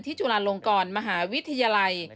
จุฬาลงกรมหาวิทยาลัย